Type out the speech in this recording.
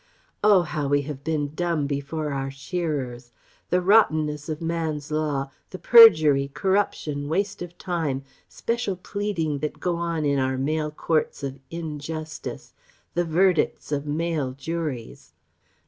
Oh how we have been dumb before our shearers! The rottenness of Man's law.... The perjury, corruption, waste of time, special pleading that go on in our male courts of _in_justice, the verdicts of male juries!"